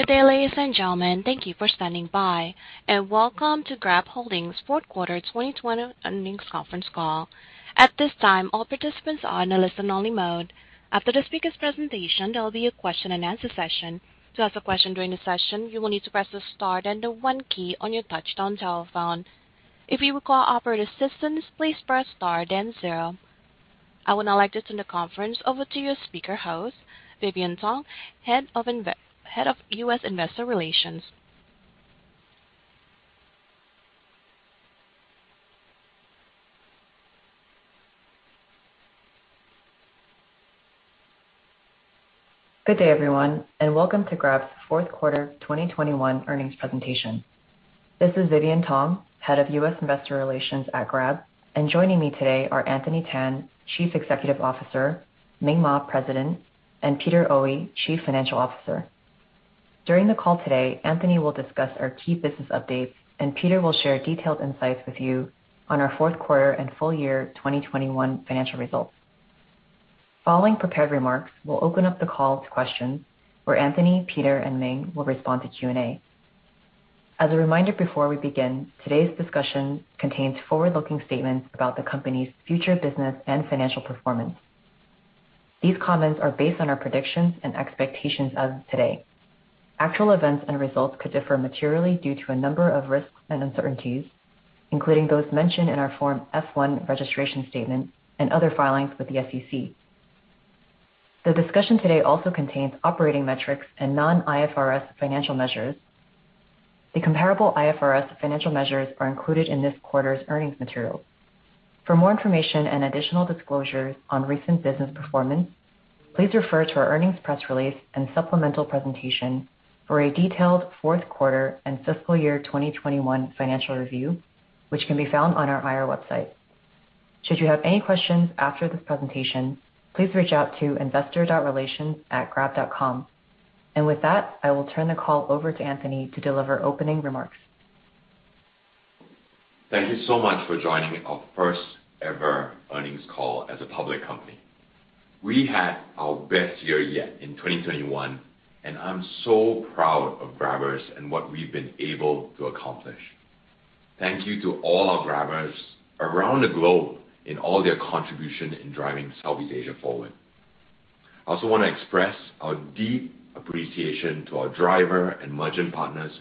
Good day, ladies and gentlemen. Thank you for standing by, and welcome to Grab Holdings' fourth quarter 2021 earnings conference call. At this time, all participants are in a listen-only mode. After the speaker's presentation, there'll be a question-and-answer session. To ask a question during the session, you will need to press the star then the one key on your touchtone telephone. If you require operator assistance, please press star then zero. I would now like to turn the conference over to your speaker host, Vivian Tong, Head of U.S. Investor Relations. Good day, everyone, and welcome to Grab's fourth quarter 2021 earnings presentation. This is Vivian Tong, Head of U.S. Investor Relations at Grab, and joining me today are Anthony Tan, Chief Executive Officer, Ming Maa, President, and Peter Oey, Chief Financial Officer. During the call today, Anthony will discuss our key business updates, and Peter will share detailed insights with you on our fourth quarter and full year 2021 financial results. Following prepared remarks, we'll open up the call to questions where Anthony, Peter, and Ming will respond to Q&A. As a reminder before we begin, today's discussion contains forward-looking statements about the company's future business and financial performance. These comments are based on our predictions and expectations as of today. Actual events and results could differ materially due to a number of risks and uncertainties, including those mentioned in our Form F-1 registration statement and other filings with the SEC. The discussion today also contains operating metrics and non-IFRS financial measures. The comparable IFRS financial measures are included in this quarter's earnings material. For more information and additional disclosures on recent business performance, please refer to our earnings press release and supplemental presentation for a detailed fourth quarter and fiscal year 2021 financial review, which can be found on our IR website. Should you have any questions after this presentation, please reach out to investor.relations@grab.com. With that, I will turn the call over to Anthony to deliver opening remarks. Thank you so much for joining our first-ever earnings call as a public company. We had our best year yet in 2021, and I'm so proud of Grabbers and what we've been able to accomplish. Thank you to all our Grabbers around the globe in all their contribution in driving Southeast Asia forward. I also wanna express our deep appreciation to our driver and merchant partners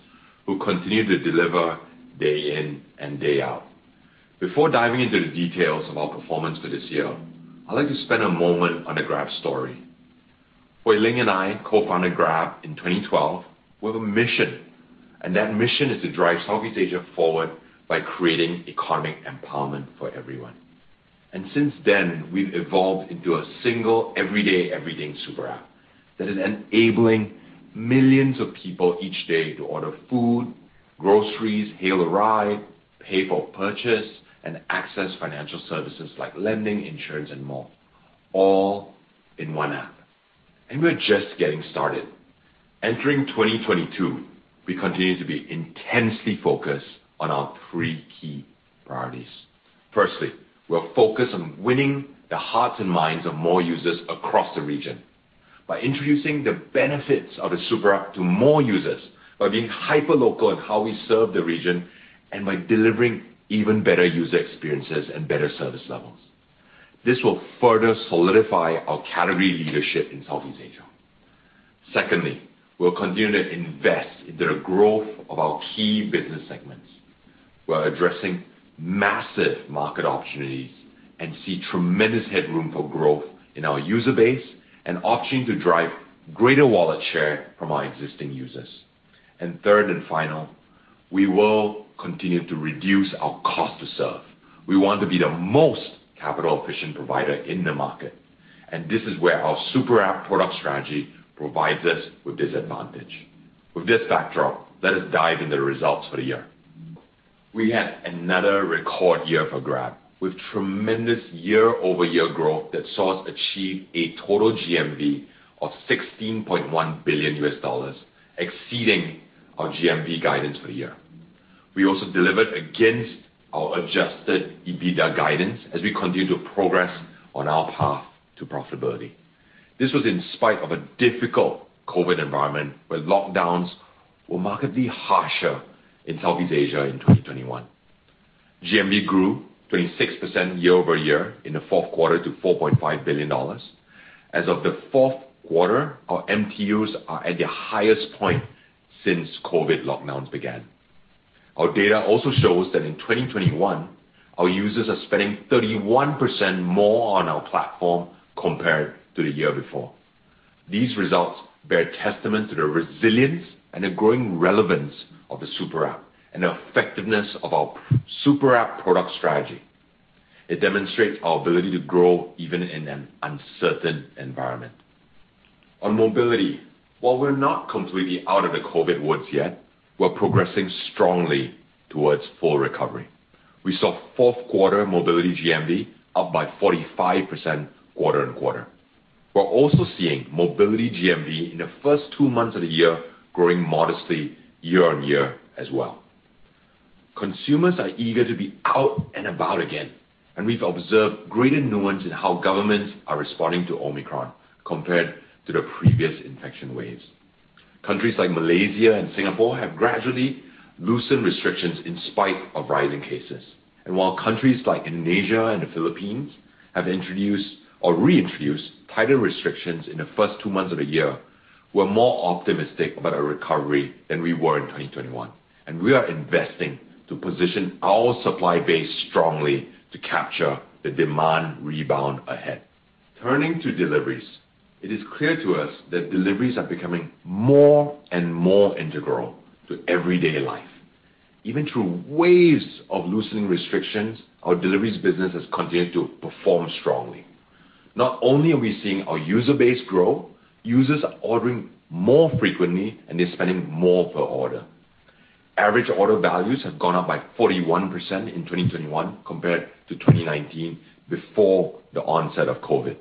who continue to deliver day in and day out. Before diving into the details of our performance for this year, I'd like to spend a moment on the Grab story. Hooi Ling and I co-founded Grab in 2012 with a mission, and that mission is to drive Southeast Asia forward by creating economic empowerment for everyone. Since then, we've evolved into a single everyday everything super app that is enabling millions of people each day to order food, groceries, hail a ride, pay for purchase, and access financial services like lending, insurance, and more, all in one app. We're just getting started. Entering 2022, we continue to be intensely focused on our three key priorities. Firstly, we're focused on winning the hearts and minds of more users across the region by introducing the benefits of the super app to more users, by being hyperlocal in how we serve the region, and by delivering even better user experiences and better service levels. This will further solidify our category leadership in Southeast Asia. Secondly, we'll continue to invest in the growth of our key business segments. We're addressing massive market opportunities and see tremendous headroom for growth in our user base and option to drive greater wallet share from our existing users. Third and final, we will continue to reduce our cost to serve. We want to be the most capital-efficient provider in the market, and this is where our super app product strategy provides us with this advantage. With this backdrop, let us dive into the results for the year. We had another record year for Grab, with tremendous year-over-year growth that saw us achieve a total GMV of $16.1 billion, exceeding our GMV guidance for the year. We also delivered against our adjusted EBITDA guidance as we continue to progress on our path to profitability. This was in spite of a difficult COVID environment, where lockdowns were markedly harsher in Southeast Asia in 2021. GMV grew 26% year-over-year in the fourth quarter to $4.5 billion. As of the fourth quarter, our MTUs are at their highest point since COVID lockdowns began. Our data also shows that in 2021, our users are spending 31% more on our platform compared to the year before. These results bear testament to the resilience and the growing relevance of the super app and the effectiveness of our super app product strategy. It demonstrates our ability to grow even in an uncertain environment. On mobility, while we're not completely out of the COVID woods yet, we're progressing strongly towards full recovery. We saw fourth quarter mobility GMV up by 45% quarter-on-quarter. We're also seeing mobility GMV in the first two months of the year growing modestly year-on-year as well. Consumers are eager to be out and about again, and we've observed greater nuance in how governments are responding to Omicron compared to the previous infection waves. Countries like Malaysia and Singapore have gradually loosened restrictions in spite of rising cases. While countries like Indonesia and the Philippines have introduced or reintroduced tighter restrictions in the first two months of the year, we're more optimistic about a recovery than we were in 2021, and we are investing to position our supply base strongly to capture the demand rebound ahead. Turning to deliveries, it is clear to us that deliveries are becoming more and more integral to everyday life. Even through waves of loosening restrictions, our deliveries business has continued to perform strongly. Not only are we seeing our user base grow, users are ordering more frequently, and they're spending more per order. Average order values have gone up by 41% in 2021 compared to 2019 before the onset of COVID.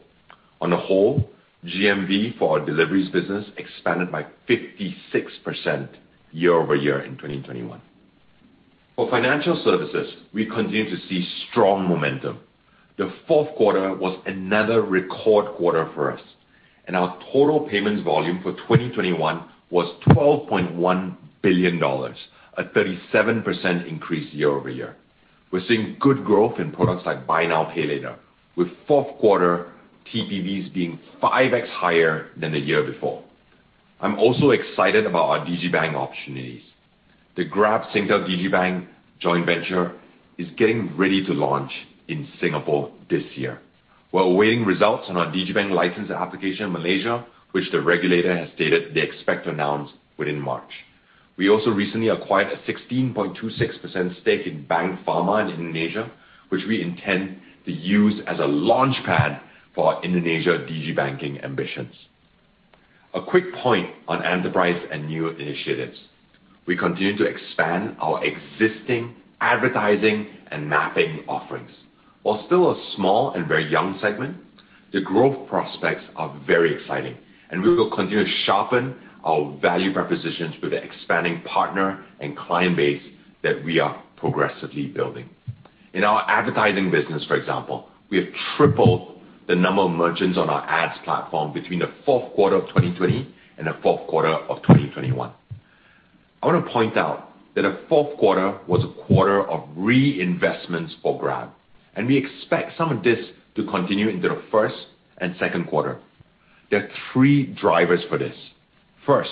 On the whole, GMV for our deliveries business expanded by 56% year-over-year in 2021. For financial services, we continue to see strong momentum. The fourth quarter was another record quarter for us, and our total payments volume for 2021 was $12.1 billion, a 37% increase year-over-year. We're seeing good growth in products like buy now, pay later, with fourth quarter TPVs being 5x higher than the year before. I'm also excited about our digibank opportunities. The Grab-Singtel digibank joint venture is getting ready to launch in Singapore this year. We're awaiting results on our digibank license application in Malaysia, which the regulator has stated they expect to announce within March. We also recently acquired a 16.26% stake in Bank Fama in Indonesia, which we intend to use as a launchpad for our Indonesia digibank ambitions. A quick point on enterprise and new initiatives. We continue to expand our existing advertising and mapping offerings. While still a small and very young segment, the growth prospects are very exciting, and we will continue to sharpen our value propositions with the expanding partner and client base that we are progressively building. In our advertising business, for example, we have tripled the number of merchants on our ads platform between the fourth quarter of 2020 and the fourth quarter of 2021. I want to point out that the fourth quarter was a quarter of reinvestments for Grab, and we expect some of this to continue into the first and second quarter. There are three drivers for this. First,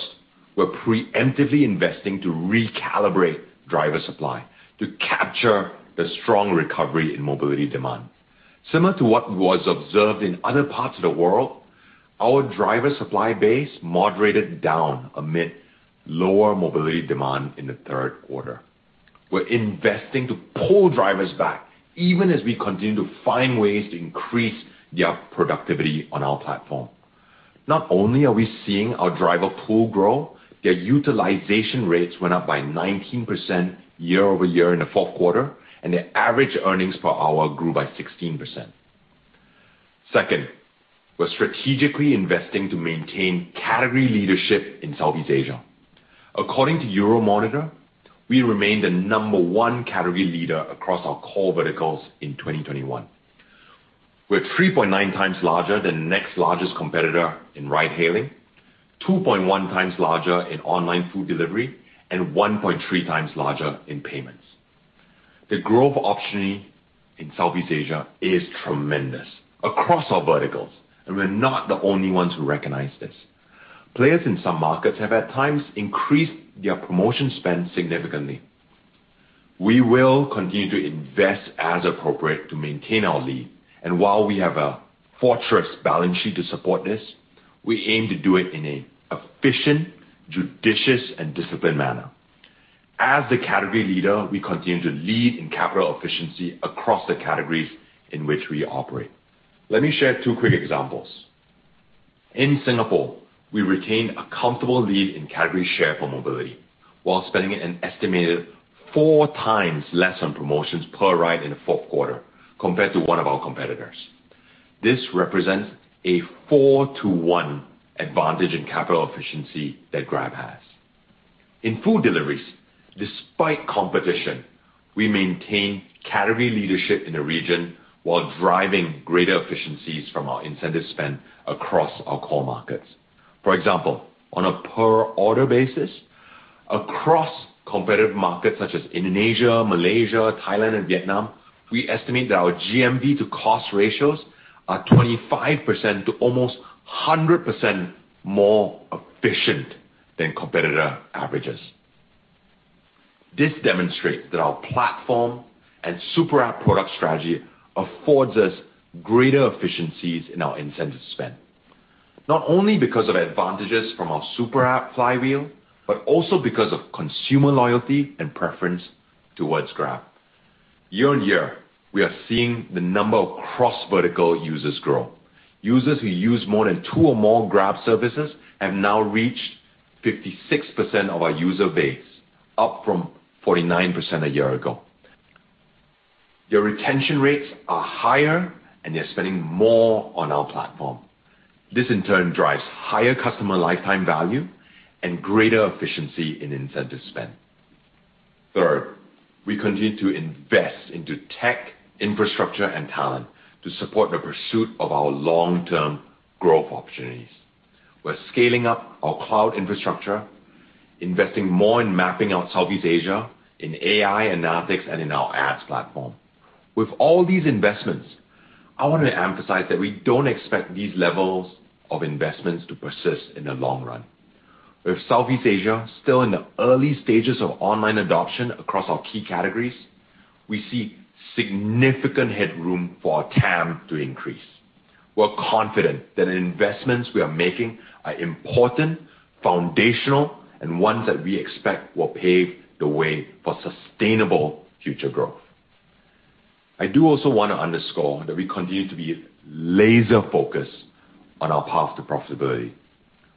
we're preemptively investing to recalibrate driver supply to capture the strong recovery in mobility demand. Similar to what was observed in other parts of the world, our driver supply base moderated down amid lower mobility demand in the third quarter. We're investing to pull drivers back even as we continue to find ways to increase their productivity on our platform. Not only are we seeing our driver pool grow, their utilization rates went up by 19% year-over-year in the fourth quarter, and their average earnings per hour grew by 16%. Second, we're strategically investing to maintain category leadership in Southeast Asia. According to Euromonitor, we remain the number one category leader across our core verticals in 2021. We're 3.9x larger than the next largest competitor in ride-hailing, 2.1x larger in online food delivery, and 1.3x larger in payments. The growth opportunity in Southeast Asia is tremendous across our verticals, and we're not the only ones who recognize this. Players in some markets have at times increased their promotion spend significantly. We will continue to invest as appropriate to maintain our lead. While we have a fortress balance sheet to support this, we aim to do it in an efficient, judicious, and disciplined manner. As the category leader, we continue to lead in capital efficiency across the categories in which we operate. Let me share two quick examples. In Singapore, we retained a comfortable lead in category share for mobility while spending an estimated 4x less on promotions per ride in the fourth quarter compared to one of our competitors. This represents a 4:1 advantage in capital efficiency that Grab has. In food deliveries, despite competition, we maintain category leadership in the region while driving greater efficiencies from our incentive spend across our core markets. For example, on a per order basis across competitive markets such as Indonesia, Malaysia, Thailand, and Vietnam, we estimate that our GMV to cost ratios are 25% to almost 100% more efficient than competitor averages. This demonstrates that our platform and super app product strategy affords us greater efficiencies in our incentive spend, not only because of advantages from our super app flywheel, but also because of consumer loyalty and preference towards Grab. Year-over-year, we are seeing the number of cross-vertical users grow. Users who use more than two or more Grab services have now reached 56% of our user base, up from 49% a year ago. Their retention rates are higher, and they're spending more on our platform. This, in turn, drives higher customer lifetime value and greater efficiency in incentive spend. Third, we continue to invest into tech, infrastructure, and talent to support the pursuit of our long-term growth opportunities. We're scaling up our cloud infrastructure, investing more in mapping out Southeast Asia, in AI analytics, and in our ads platform. With all these investments, I wanna emphasize that we don't expect these levels of investments to persist in the long run. With Southeast Asia still in the early stages of online adoption across our key categories, we see significant headroom for our TAM to increase. We're confident that investments we are making are important, foundational, and ones that we expect will pave the way for sustainable future growth. I do also wanna underscore that we continue to be laser-focused on our path to profitability.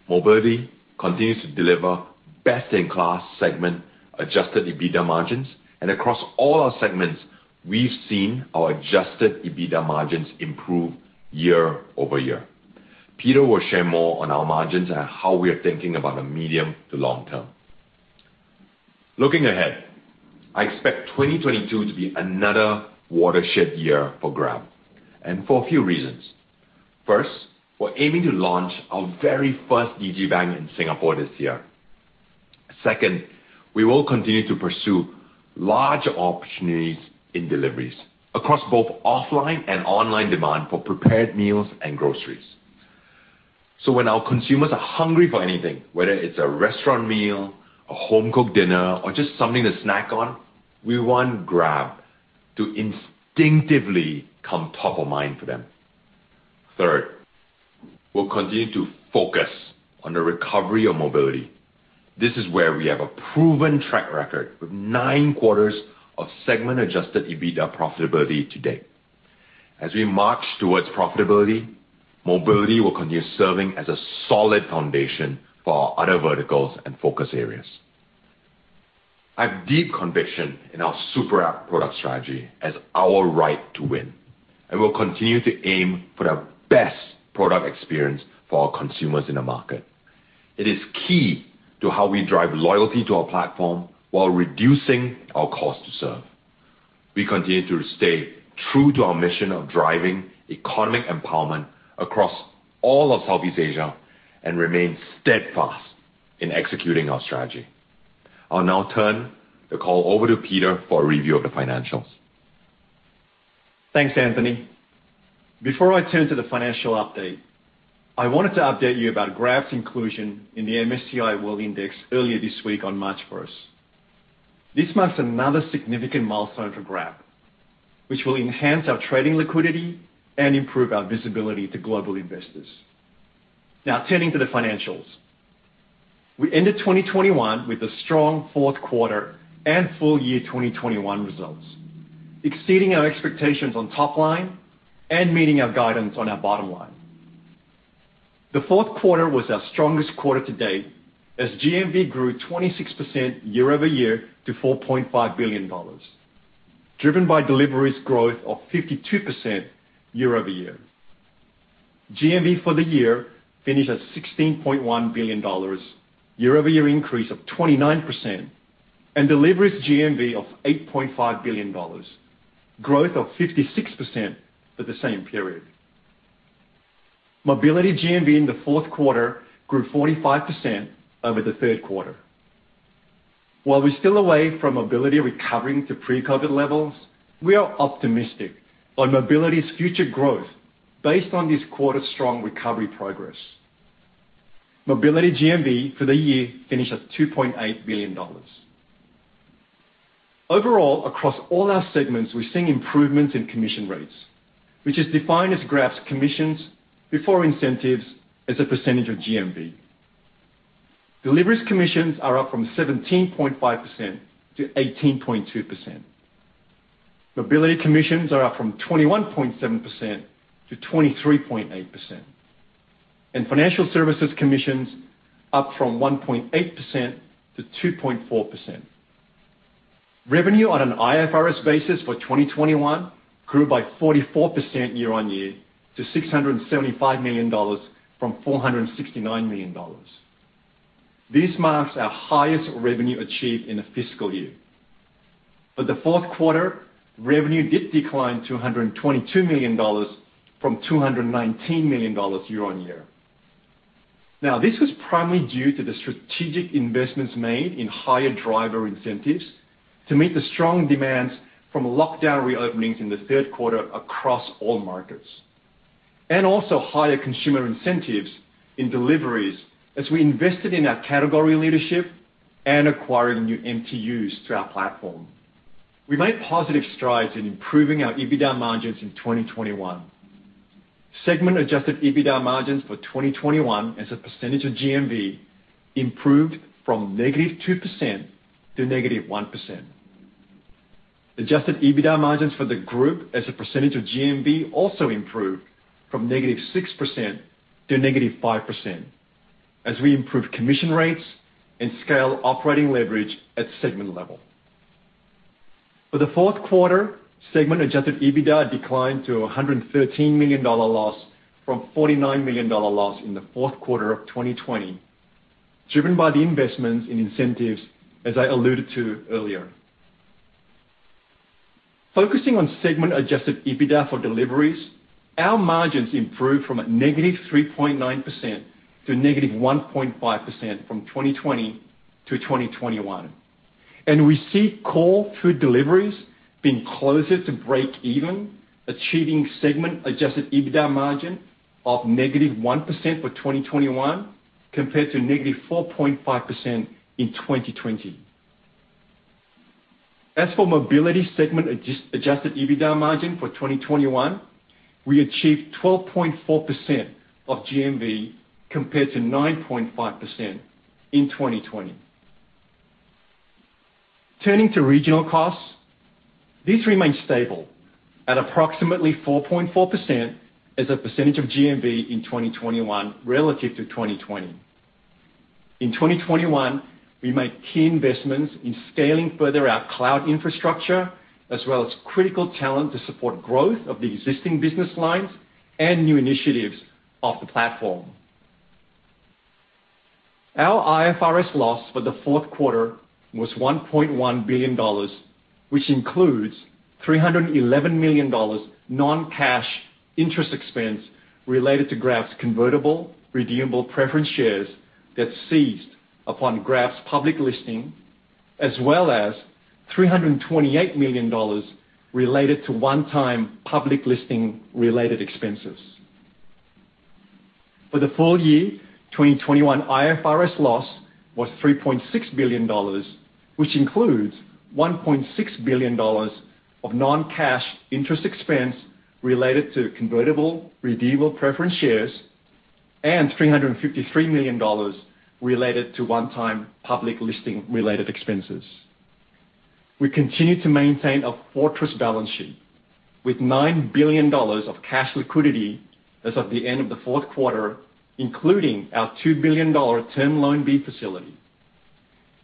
Mobility continues to deliver best-in-class segment-adjusted EBITDA margins. Across all our segments, we've seen our adjusted EBITDA margins improve year-over-year. Peter will share more on our margins and how we are thinking about the medium to long term. Looking ahead, I expect 2022 to be another watershed year for Grab, and for a few reasons. First, we're aiming to launch our very first digibank in Singapore this year. Second, we will continue to pursue larger opportunities in deliveries across both offline and online demand for prepared meals and groceries. When our consumers are hungry for anything, whether it's a restaurant meal, a home-cooked dinner, or just something to snack on, we want Grab to instinctively come top of mind for them. Third, we'll continue to focus on the recovery of Mobility. This is where we have a proven track record with nine quarters of segment-adjusted EBITDA profitability to date. As we march towards profitability, Mobility will continue serving as a solid foundation for our other verticals and focus areas. I have deep conviction in our super-app product strategy as our right to win, and we'll continue to aim for the best product experience for our consumers in the market. It is key to how we drive loyalty to our platform while reducing our cost to serve. We continue to stay true to our mission of driving economic empowerment across all of Southeast Asia and remain steadfast in executing our strategy. I'll now turn the call over to Peter for a review of the financials. Thanks, Anthony. Before I turn to the financial update, I wanted to update you about Grab's inclusion in the MSCI World Index earlier this week on March 1st. This marks another significant milestone for Grab, which will enhance our trading liquidity and improve our visibility to global investors. Now turning to the financials. We ended 2021 with a strong fourth quarter and full year 2021 results, exceeding our expectations on top line and meeting our guidance on our bottom line. The fourth quarter was our strongest quarter to date as GMV grew 26% year-over-year to $4.5 billion, driven by deliveries growth of 52% year-over-year. GMV for the year finished at $16.1 billion, year-over-year increase of 29%, and deliveries GMV of $8.5 billion, growth of 56% for the same period. Mobility GMV in the fourth quarter grew 45% over the third quarter. While we're still away from Mobility recovering to pre-COVID levels, we are optimistic on Mobility's future growth based on this quarter's strong recovery progress. Mobility GMV for the year finished at $2.8 billion. Overall, across all our segments, we're seeing improvements in commission rates, which is defined as Grab's commissions before incentives as a percentage of GMV. Deliveries commissions are up from 17.5%-18.2%. Mobility commissions are up from 21.7%-23.8%. Financial Services commissions up from 1.8%-2.4%. Revenue on an IFRS basis for 2021 grew by 44% year on year to $675 million from $469 million. This marks our highest revenue achieved in a fiscal year. For the fourth quarter, revenue did decline to $122 million from $219 million year-on-year. Now, this was primarily due to the strategic investments made in higher driver incentives to meet the strong demands from lockdown reopenings in the third quarter across all markets. Higher consumer incentives in deliveries as we invested in our category leadership and acquiring new MTUs to our platform. We made positive strides in improving our EBITDA margins in 2021. Segment-adjusted EBITDA margins for 2021 as a percentage of GMV improved from -2% to -1%. Adjusted EBITDA margins for the group as a percentage of GMV also improved from -6% to -5%. As we improve commission rates and scale operating leverage at segment level. For the fourth quarter, segment-adjusted EBITDA declined to a $113 million loss from $49 million loss in the fourth quarter of 2020, driven by the investments in incentives, as I alluded to earlier. Focusing on segment-adjusted EBITDA for deliveries, our margins improved from -3.9% to -1.5% from 2020 to 2021, and we see core food deliveries being closer to breakeven, achieving segment-adjusted EBITDA margin of -1% for 2021 compared to -4.5% in 2020. As for mobility segment adjusted EBITDA margin for 2021, we achieved 12.4% of GMV compared to 9.5% in 2020. Turning to regional costs, these remained stable at approximately 4.4% as a percentage of GMV in 2021 relative to 2020. In 2021, we made key investments in scaling further our cloud infrastructure, as well as critical talent to support growth of the existing business lines and new initiatives of the platform. Our IFRS loss for the fourth quarter was $1.1 billion, which includes $311 million non-cash interest expense related to Grab's convertible redeemable preference shares that ceased upon Grab's public listing, as well as $328 million related to one-time public listing-related expenses. For the full year, 2021 IFRS loss was $3.6 billion, which includes $1.6 billion of non-cash interest expense related to convertible redeemable preference shares and $353 million related to one-time public listing-related expenses. We continue to maintain a fortress balance sheet with $9 billion of cash liquidity as of the end of the fourth quarter, including our $2 billion Term Loan B facility.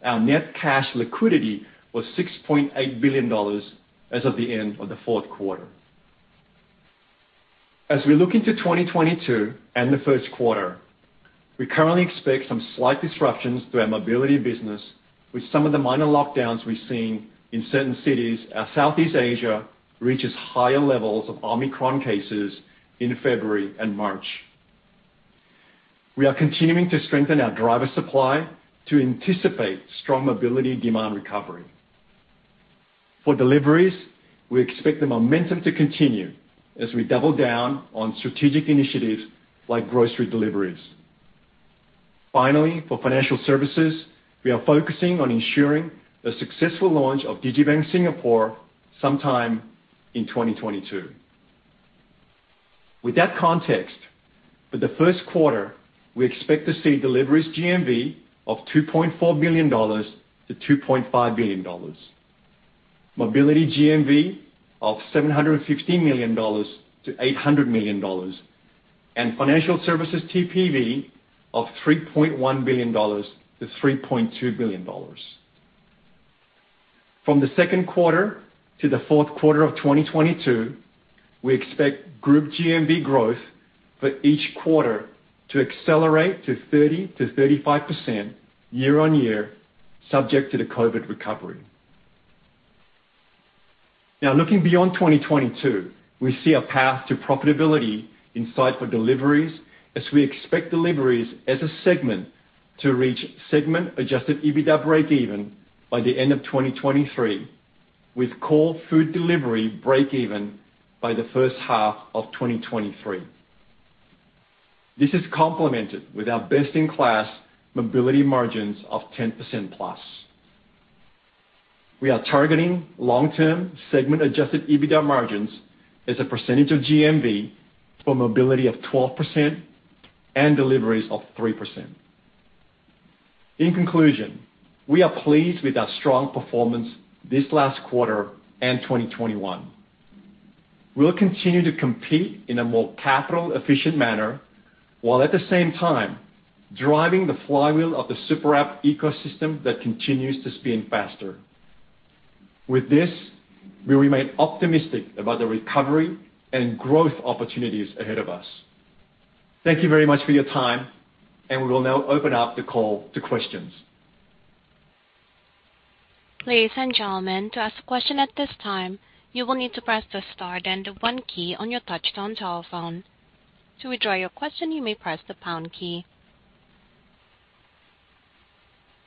Our net cash liquidity was $6.8 billion as of the end of the fourth quarter. As we look into 2022 and the first quarter, we currently expect some slight disruptions to our mobility business with some of the minor lockdowns we've seen in certain cities as Southeast Asia reaches higher levels of Omicron cases in February and March. We are continuing to strengthen our driver supply to anticipate strong mobility demand recovery. For deliveries, we expect the momentum to continue as we double down on strategic initiatives like grocery deliveries. Finally, for financial services, we are focusing on ensuring the successful launch of digibank Singapore sometime in 2022. With that context, for the first quarter, we expect to see deliveries GMV of $2.4 billion-$2.5 billion, mobility GMV of $750 million-$800 million, and financial services TPV of $3.1 billion-$3.2 billion. From the second quarter to the fourth quarter of 2022, we expect group GMV growth for each quarter to accelerate to 30%-35% year-on-year, subject to the COVID recovery. Now, looking beyond 2022, we see a path to profitability in sight for deliveries as we expect deliveries as a segment to reach segment adjusted EBITDA breakeven by the end of 2023, with core food delivery breakeven by the first half of 2023. This is complemented with our best-in-class mobility margins of 10%+. We are targeting long-term segment adjusted EBITDA margins as a percentage of GMV for mobility of 12% and deliveries of 3%. In conclusion, we are pleased with our strong performance this last quarter and 2021. We'll continue to compete in a more capital efficient manner, while at the same time driving the flywheel of the super app ecosystem that continues to spin faster. With this, we remain optimistic about the recovery and growth opportunities ahead of us. Thank you very much for your time, and we will now open up the call to questions. Ladies and gentlemen, to ask a question at this time, you will need to press the star then the one key on your touchtone telephone. To withdraw your question, you may press the pound key.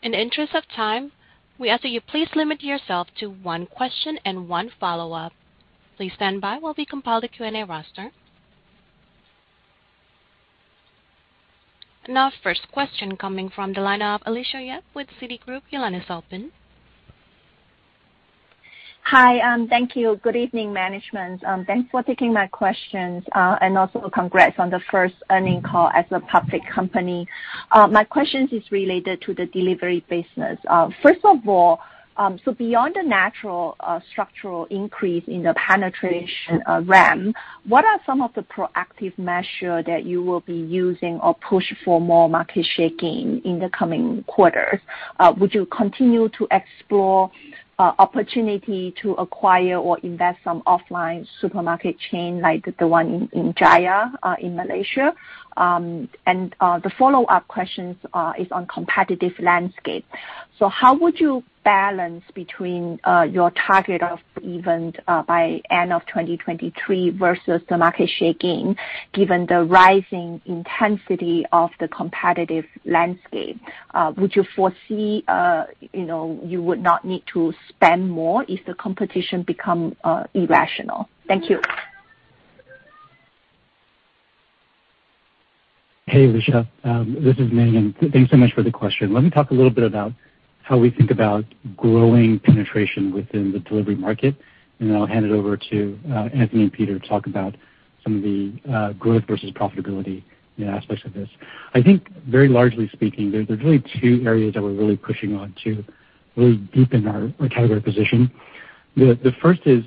In the interest of time, we ask that you please limit yourself to one question and one follow-up. Please stand by while we compile the Q&A roster. Now first question coming from the line of Alicia Yap with Citigroup. Your line is open. Hi. Thank you. Good evening, management. Thanks for taking my questions, and also congrats on the first earnings call as a public company. My questions is related to the delivery business. First of all, beyond the natural structural increase in the penetration of TAM, what are some of the proactive measure that you will be using or push for more market share in the coming quarters? Would you continue to explore opportunity to acquire or invest some offline supermarket chain like the one in Jaya in Malaysia? The follow-up questions is on competitive landscape. How would you balance between your target to even by end of 2023 versus the market share given the rising intensity of the competitive landscape? Would you foresee, you know, you would not need to spend more if the competition become irrational? Thank you. Hey, Alicia, this is Ming. Thanks so much for the question. Let me talk a little bit about how we think about growing penetration within the delivery market and then I'll hand it over to Anthony and Peter to talk about some of the growth versus profitability, you know, aspects of this. I think very largely speaking, there's really two areas that we're really pushing on to really deepen our category position. The first is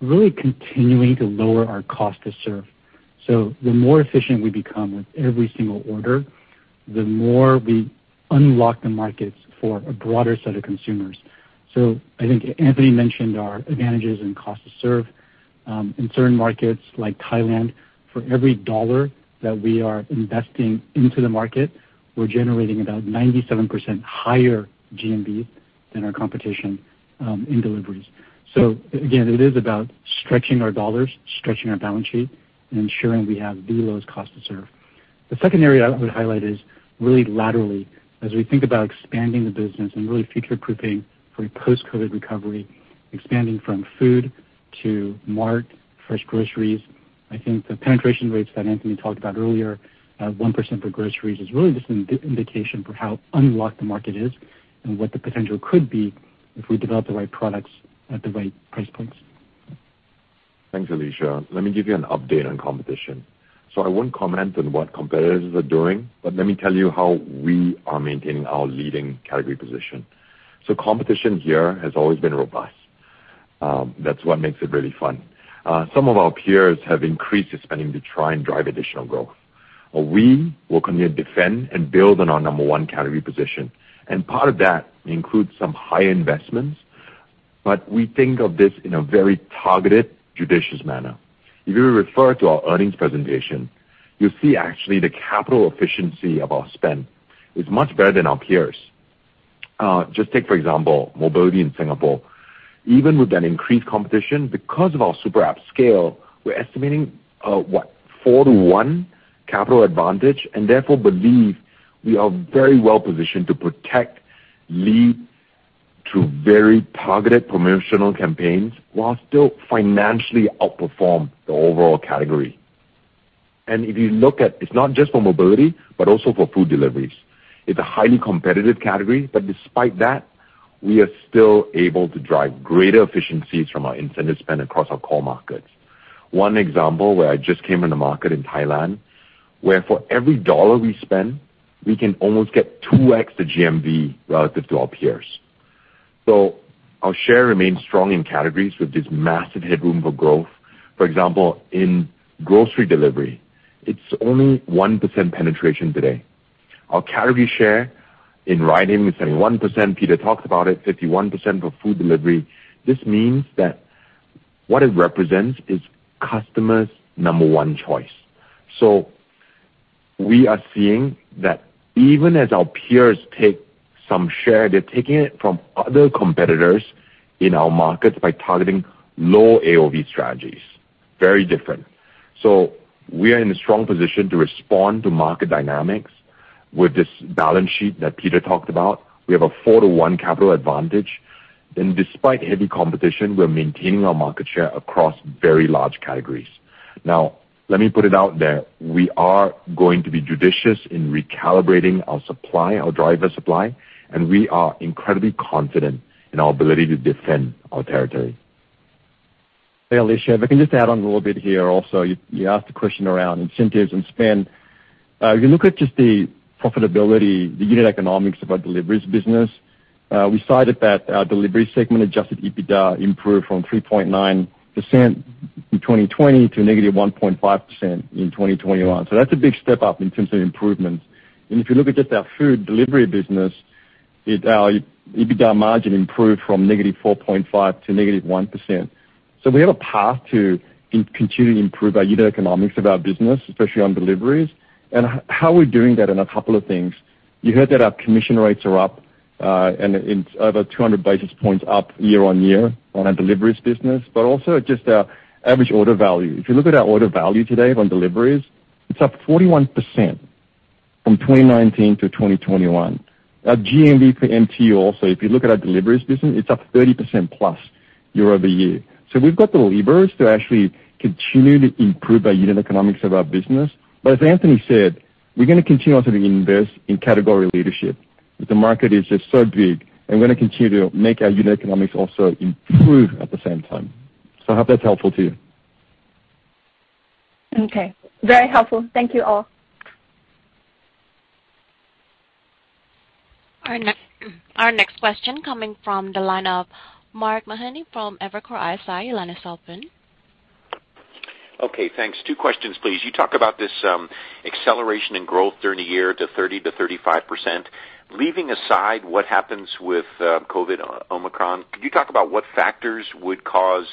really continuing to lower our cost to serve. So the more efficient we become with every single order, the more we unlock the markets for a broader set of consumers. So I think Anthony mentioned our advantages in cost to serve. In certain markets like Thailand, for every dollar that we are investing into the market, we're generating about 97% higher GMV than our competition in deliveries. Again, it is about stretching our dollars, stretching our balance sheet, and ensuring we have the lowest cost to serve. The second area I would highlight is really laterally, as we think about expanding the business and really future-proofing for a post-COVID recovery, expanding from food to GrabMart, fresh groceries. I think the penetration rates that Anthony talked about earlier, 1% for groceries, is really just an indication for how unlocked the market is and what the potential could be if we develop the right products at the right price points. Thanks, Alicia. Let me give you an update on competition. I won't comment on what competitors are doing, but let me tell you how we are maintaining our leading category position. Competition here has always been robust. That's what makes it really fun. Some of our peers have increased their spending to try and drive additional growth. We will continue to defend and build on our number one category position, and part of that includes some high investments, but we think of this in a very targeted, judicious manner. If you refer to our earnings presentation, you'll see actually the capital efficiency of our spend is much better than our peers. Just take for example, mobility in Singapore. Even with an increased competition, because of our super app scale, we're estimating 4:1 capital advantage and therefore believe we are very well positioned to protect our lead through very targeted promotional campaigns while still financially outperform the overall category. If you look at it's not just for mobility, but also for food deliveries. It's a highly competitive category, but despite that, we are still able to drive greater efficiencies from our incentive spend across our core markets. One example in Thailand, where for every dollar we spend, we can almost get 2x the GMV relative to our peers. Our share remains strong in categories with this massive headroom for growth. For example, in grocery delivery, it's only 1% penetration today. Our category share in ride-hailing is 71%. Peter talked about it, 51% for food delivery. This means that what it represents is customers' number one choice. We are seeing that even as our peers take some share, they're taking it from other competitors in our markets by targeting low AOV strategies, very different. We are in a strong position to respond to market dynamics. With this balance sheet that Peter talked about, we have a 4:1 capital advantage. Despite heavy competition, we're maintaining our market share across very large categories. Now, let me put it out there. We are going to be judicious in recalibrating our supply, our driver supply, and we are incredibly confident in our ability to defend our territory. Hey, Alicia. If I can just add on a little bit here. You asked a question around incentives and spend. If you look at just the profitability, the unit economics of our deliveries business, we cited that our delivery segment adjusted EBITDA improved from 3.9% in 2020 to -1.5% in 2021. That's a big step up in terms of improvements. If you look at just our food delivery business, EBITDA margin improved from -4.5% to -1%. We have a path to continue to improve our unit economics of our business, especially on deliveries. How we're doing that in a couple of things. You heard that our commission rates are up, and it's over 200 basis points up year-on-year on our deliveries business, but also just our average order value. If you look at our order value today on deliveries, it's up 41% from 2019 to 2021. Our GMV per MTU also, if you look at our deliveries business, it's up 30%+ year-over-year. We've got the levers to actually continue to improve our unit economics of our business. But as Anthony said, we're gonna continue to invest in category leadership. The market is just so big and we're gonna continue to make our unit economics also improve at the same time. I hope that's helpful to you. Okay. Very helpful. Thank you all. Our next question coming from the line of Mark Mahaney from Evercore ISI, line is open. Okay, thanks. Two questions, please. You talk about this acceleration in growth during the year to 30%-35%. Leaving aside what happens with COVID Omicron, could you talk about what factors would cause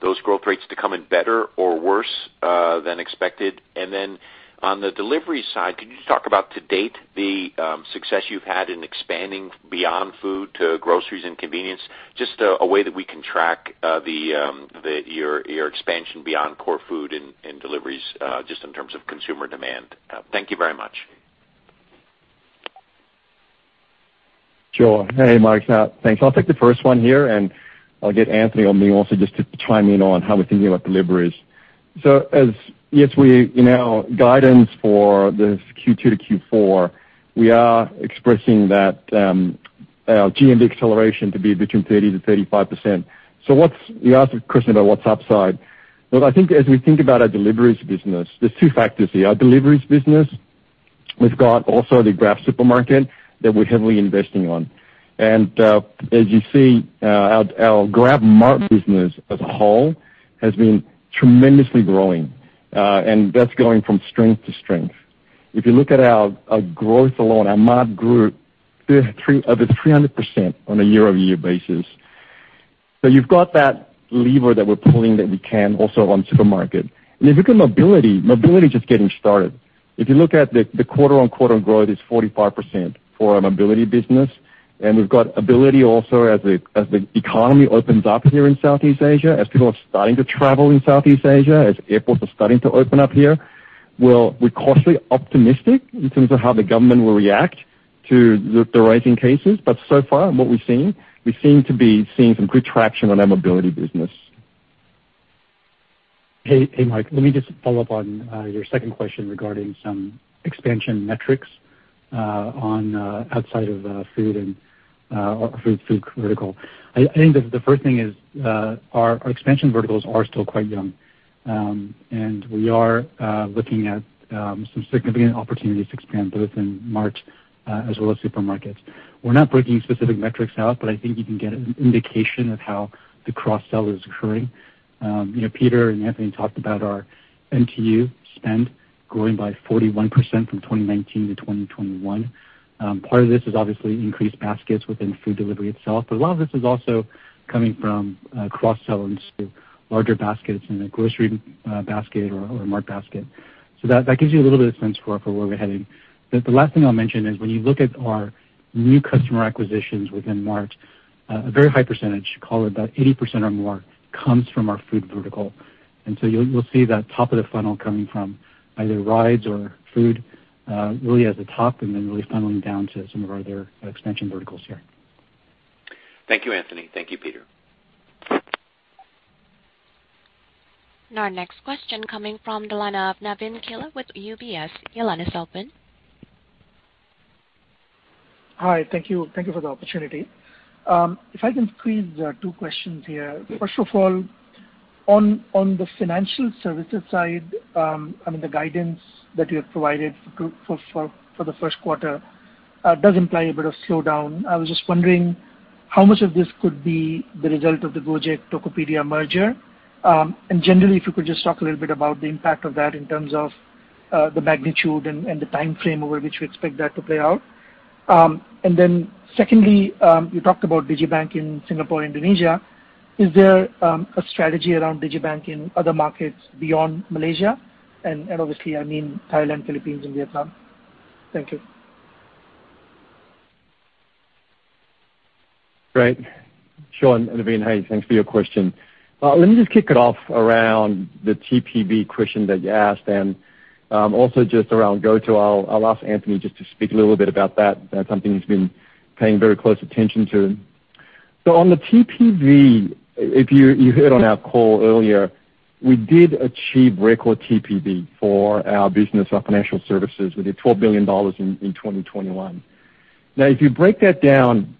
those growth rates to come in better or worse than expected? Then on the delivery side, could you just talk about to date the success you've had in expanding beyond food to groceries and convenience, just a way that we can track your expansion beyond core food and deliveries, just in terms of consumer demand. Thank you very much. Sure. Hey, Mark. Now, thanks. I'll take the first one here, and I'll get Anthony on the line also just to chime in on how we're thinking about deliveries. Yes, in our guidance for this Q2 to Q4, we are expressing that our GMV acceleration to be between 30%-35%. What's the upside you asked a question about. I think as we think about our deliveries business, there's two factors here. Our deliveries business, we've got also the GrabSupermarket that we're heavily investing on. As you see, our GrabMart business as a whole has been tremendously growing, and that's going from strength to strength. If you look at our growth alone, our mart grew three over 300% on a year-over-year basis. You've got that lever that we're pulling that we can also on supermarket. If you look at mobility is just getting started. If you look at the quarter-on-quarter growth is 45% for our mobility business, and we've got visibility also as the economy opens up here in Southeast Asia, as people are starting to travel in Southeast Asia, as airports are starting to open up here. Well, we're cautiously optimistic in terms of how the government will react to the rising cases. But so far, what we've seen, we seem to be seeing some good traction on our mobility business. Hey, Mark, let me just follow up on your second question regarding some expansion metrics on outside of food and or food critical. I think the first thing is our expansion verticals are still quite young. We are looking at some significant opportunities to expand both in mart as well as supermarkets. We're not breaking specific metrics out, but I think you can get an indication of how the cross-sell is occurring. You know, Peter and Anthony talked about our MTU spend growing by 41% from 2019 to 2021. Part of this is obviously increased baskets within food delivery itself, but a lot of this is also coming from cross-sells to larger baskets in a grocery basket or a mart basket. That gives you a little bit of sense for where we're heading. The last thing I'll mention is when you look at our new customer acquisitions within GrabMart, a very high percentage, call it about 80% or more, comes from our food vertical. You'll see that top of the funnel coming from either rides or food, really at the top and then really funneling down to some of our other expansion verticals here. Thank you, Anthony. Thank you, Peter. Our next question coming from the line of Navin Killa with UBS. Your line is open. Hi. Thank you. Thank you for the opportunity. If I can squeeze two questions here. First of all, on the financial services side, I mean, the guidance that you have provided for the first quarter does imply a bit of slowdown. I was just wondering how much of this could be the result of the Gojek-Tokopedia merger. Generally, if you could just talk a little bit about the impact of that in terms of the magnitude and the timeframe over which we expect that to play out. Secondly, you talked about digibank in Singapore and Indonesia. Is there a strategy around digibank in other markets beyond Malaysia? Obviously, I mean Thailand, Philippines and Vietnam. Thank you. Great. Sure, Navin. Hey, thanks for your question. Let me just kick it off around the TPV question that you asked and also just around GoTo. I'll ask Anthony just to speak a little bit about that. That's something he's been paying very close attention to. On the TPV, if you heard on our call earlier, we did achieve record TPV for our business, our financial services. We did $12 billion in 2021. Now, if you break that down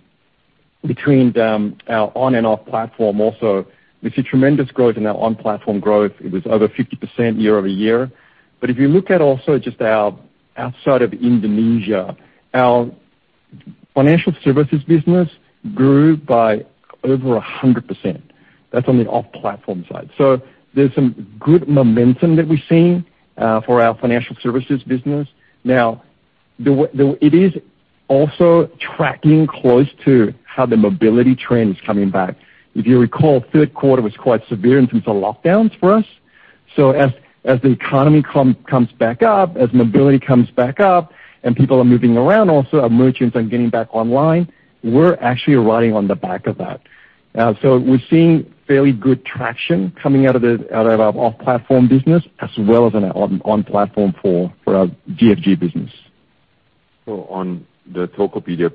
between our on and off platform, we see tremendous growth in our on-platform growth. It was over 50% year-over-year. If you look at also just our outside of Indonesia, our financial services business grew by over 100%. That's on the off platform side. There's some good momentum that we're seeing for our financial services business. Now, it is also tracking close to how the mobility trend is coming back. If you recall, third quarter was quite severe in terms of lockdowns for us. As the economy comes back up, as mobility comes back up and people are moving around also, our merchants are getting back online, we're actually riding on the back of that. We're seeing fairly good traction coming out of our off-platform business as well as on-platform for our GFG business. On the Tokopedia.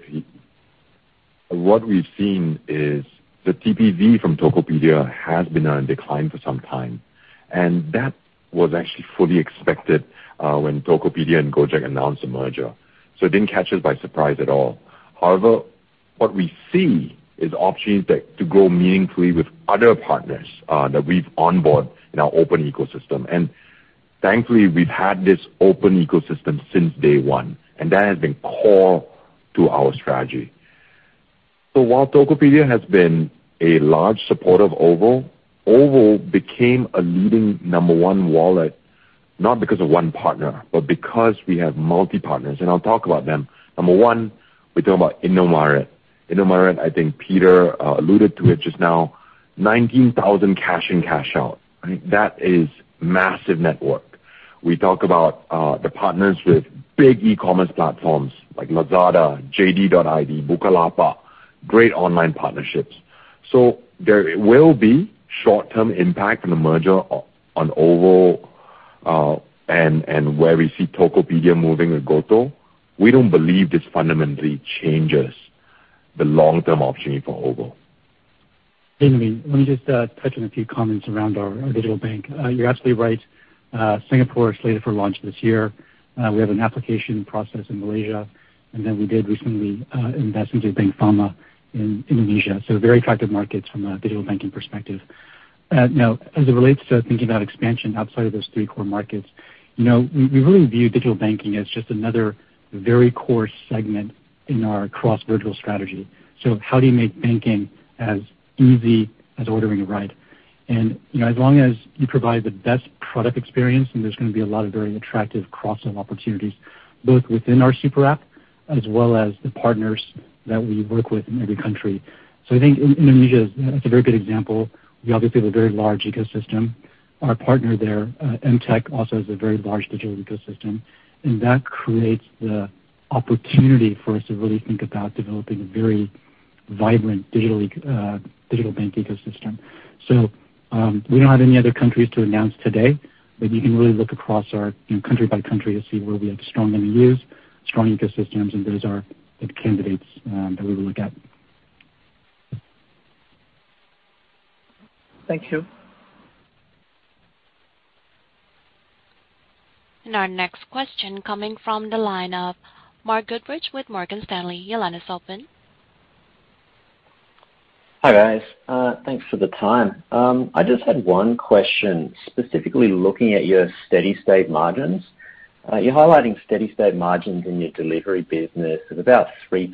What we've seen is the TPV from Tokopedia has been on decline for some time, and that was actually fully expected when Tokopedia and Gojek announced the merger. It didn't catch us by surprise at all. However, what we see is opportunities to grow meaningfully with other partners that we've onboard in our open ecosystem. And thankfully, we've had this open ecosystem since day one, and that has been core to our strategy. While Tokopedia has been a large supporter of OVO became a leading number one wallet, not because of one partner, but because we have multi-partners. I'll talk about them. Number one, we talk about Indomaret. Indomaret, I think Peter alluded to it just now, 19,000 cash in, cash out. I think that is massive network. We talk about the partnerships with big e-commerce platforms like Lazada, JD.ID, Bukalapak, great online partnerships. There will be short-term impact of the merger on OVO, and where we see Tokopedia moving with GoTo. We don't believe this fundamentally changes the long-term opportunity for OVO. Let me just touch on a few comments around our digital bank. You're absolutely right. Singapore is slated for launch this year. We have an application process in Malaysia, and then we did recently investments in Bank Fama in Indonesia. Very attractive markets from a digital banking perspective. Now, as it relates to thinking about expansion outside of those three core markets, you know, we really view digital banking as just another very core segment in our cross-vertical strategy. How do you make banking as easy as ordering a ride? You know, as long as you provide the best product experience, then there's gonna be a lot of very attractive cross-sell opportunities, both within our super app as well as the partners that we work with in every country. I think Indonesia is a very good example. We obviously have a very large ecosystem. Our partner there, Emtek, also has a very large digital ecosystem, and that creates the opportunity for us to really think about developing a very vibrant digital bank ecosystem. We don't have any other countries to announce today, but you can really look across our, you know, country by country to see where we have strong MTUs, strong ecosystems, and those are the candidates that we will look at. Thank you. Our next question coming from the line of Mark Goodridge with Morgan Stanley. Your line is open. Hi, guys. Thanks for the time. I just had one question, specifically looking at your steady-state margins. You're highlighting steady-state margins in your delivery business at about 3%,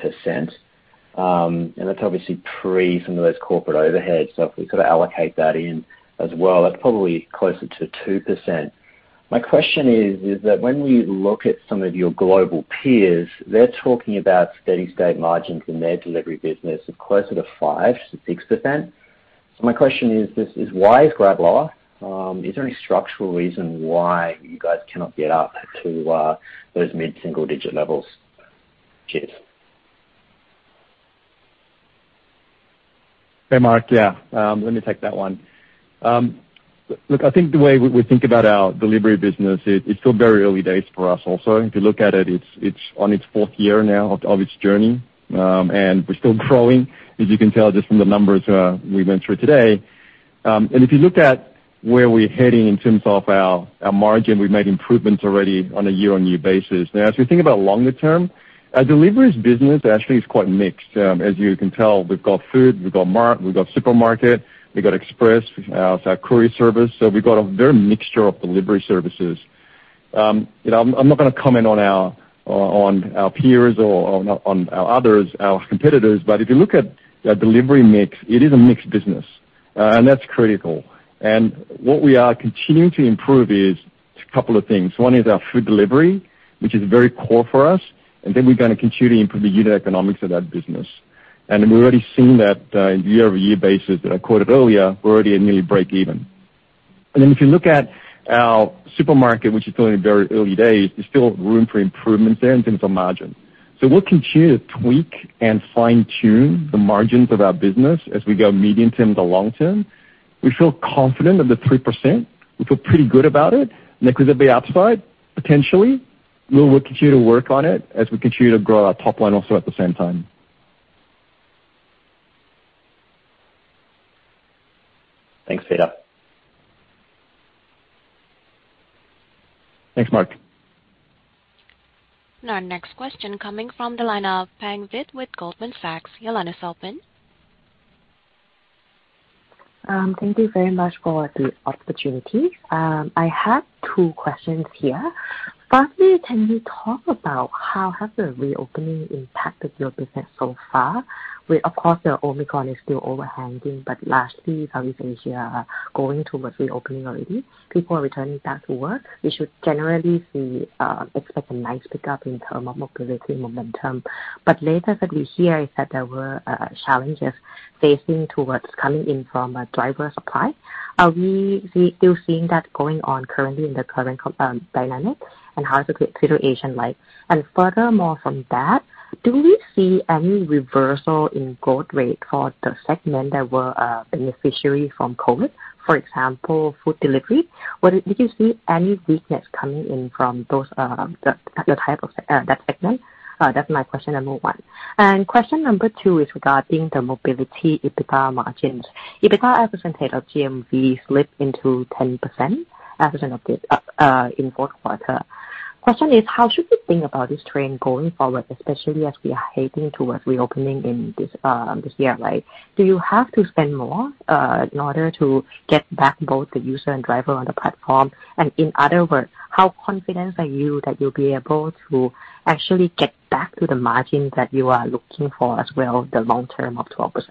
and that's obviously pre some of those corporate overheads. If we could allocate that in as well, that's probably closer to 2%. My question is, when you look at some of your global peers, they're talking about steady-state margins in their delivery business of closer to 5%-6%. My question is this, why is Grab lower? Is there any structural reason why you guys cannot get up to those mid-single digit levels? Cheers. Hey, Mark. Yeah, let me take that one. Look, I think the way we think about our delivery business, it's still very early days for us also. If you look at it's on its fourth year now of its journey. We're still growing, as you can tell just from the numbers we went through today. If you look at where we're heading in terms of our margin, we've made improvements already on a year-on-year basis. Now, as we think about longer term, our deliveries business actually is quite mixed. As you can tell, we've got food, we've got mart, we've got supermarket, we've got express, it's our courier service. We've got a very mixed mixture of delivery services. You know, I'm not gonna comment on our on our peers or on our others, our competitors, but if you look at the delivery mix, it is a mixed business. That's critical. What we are continuing to improve is a couple of things. One is our food delivery, which is very core for us, and then we're gonna continue to improve the unit economics of that business. We've already seen that, year-over-year basis that I quoted earlier, we're already at nearly break even. If you look at our supermarket, which is still in the very early days, there's still room for improvements there in terms of margin. We'll continue to tweak and fine-tune the margins of our business as we go medium-term to long-term. We feel confident of the 3%. We feel pretty good about it. Could it be upside? Potentially. We'll continue to work on it as we continue to grow our top line also at the same time. Thanks, Peter. Thanks, Mark. Our next question coming from the line of Pang Vittayaamnuaykoon with Goldman Sachs. Your line is open. Thank you very much for the opportunity. I have two questions here. Firstly, can you talk about how has the reopening impacted your business so far? Whereas of course, the Omicron is still overhanging, but lately, Southeast Asia is going towards reopening already. People are returning back to work. We should generally expect a nice pickup in terms of mobility momentum. But lately what we hear is that there were challenges facing towards coming in from a driver supply. Are we still seeing that going on currently in the dynamic? And how is the situation like? And furthermore from that, do we see any reversal in growth rate for the segment that were beneficiary from COVID? For example, food delivery. Did you see any weakness coming in from those, the type of that segment? That's my question number one. Question number two is regarding the mobility EBITDA margins. EBITDA as a percentage of GMV slipped to 10% in the fourth quarter. Question is, how should we think about this trend going forward, especially as we are heading towards reopening in this year, right? Do you have to spend more in order to get back both the user and driver on the platform? In other words, how confident are you that you'll be able to actually get back to the margin that you are looking for as well, the long term of 12%?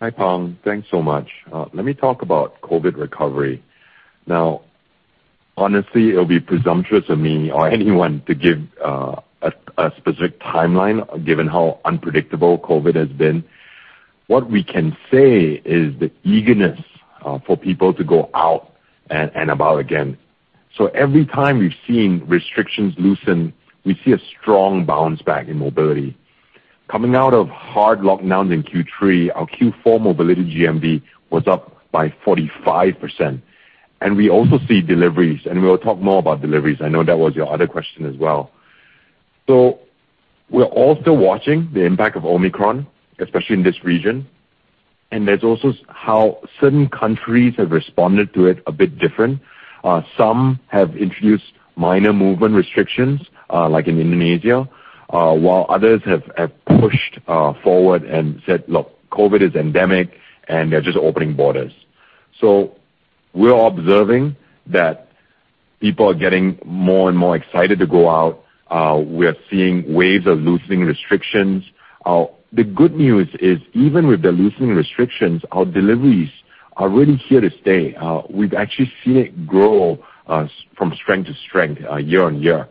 Hi, Pang. Thanks so much. Let me talk about COVID recovery. Now, honestly, it'll be presumptuous of me or anyone to give a specific timeline given how unpredictable COVID has been. What we can say is the eagerness for people to go out and about again. Every time we've seen restrictions loosen, we see a strong bounce back in mobility. Coming out of hard lockdowns in Q3, our Q4 mobility GMV was up by 45%. We also see deliveries, and we'll talk more about deliveries. I know that was your other question as well. We're all still watching the impact of Omicron, especially in this region. There's also how certain countries have responded to it a bit different. Some have introduced minor movement restrictions, like in Indonesia, while others have pushed forward and said, "Look, COVID is endemic," and they're just opening borders. We're observing that people are getting more and more excited to go out. We are seeing waves of loosening restrictions. The good news is even with the loosening restrictions, our deliveries are really here to stay. We've actually seen it grow from strength to strength, year on year.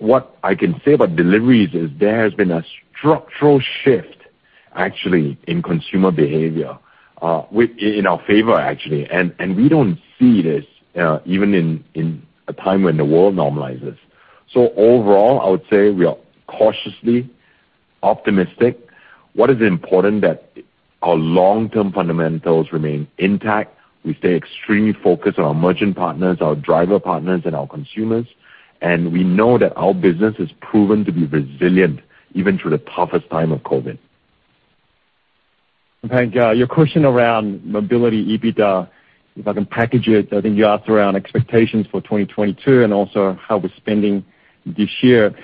What I can say about deliveries is there has been a structural shift actually in consumer behavior with in our favor actually. We don't see this even in a time when the world normalizes. Overall, I would say we are cautiously optimistic. What is important is that our long-term fundamentals remain intact. We stay extremely focused on our merchant partners, our driver partners, and our consumers, and we know that our business has proven to be resilient even through the toughest time of COVID. Okay. Your question around mobility EBITDA, if I can package it, I think you asked around expectations for 2022 and also how we're spending this year.